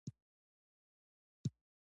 که غنم وي، ډوډۍ شته.